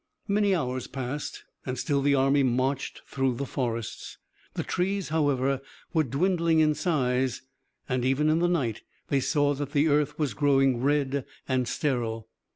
Many hours passed and still the army marched through the forests. The trees, however, were dwindling in size and even in the night they saw that the earth was growing red and sterile.